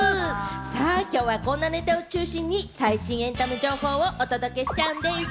きょうはこんなネタを中心に最新エンタメ情報をお届けしちゃうんでぃす。